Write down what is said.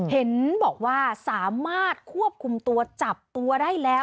เห็นบอกว่าสามารถควบคุมตัวจับตัวได้แล้ว